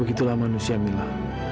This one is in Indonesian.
ya begitulah manusia mila